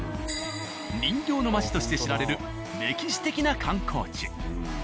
人形の街として知られる歴史的な観光地。